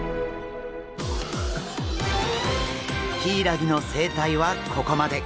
ヒイラギの生態はここまで。